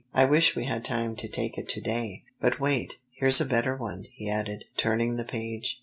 "I wish we had time to take it to day." "But wait, here's a better one," he added, turning the page.